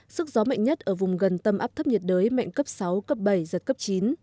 sức gió mạnh nhất ở vùng gần tâm áp thấp nhiệt đới mạnh cấp sáu cấp bảy giật cấp chín